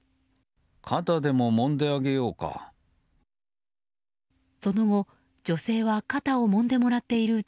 肩でももんであげようか。